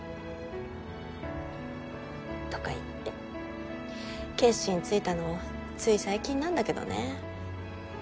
とかいって決心ついたのつい最近なんだけどね。